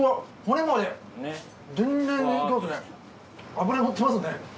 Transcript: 脂のってますね。